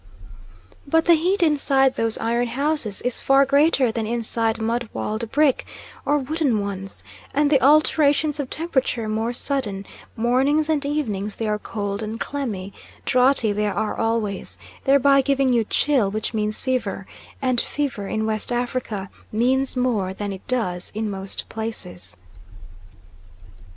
But the heat inside those iron houses is far greater than inside mud walled, brick, or wooden ones, and the alternations of temperature more sudden: mornings and evenings they are cold and clammy; draughty they are always, thereby giving you chill which means fever, and fever in West Africa means more than it does in most places.